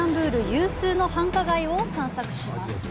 有数の繁華街を散策します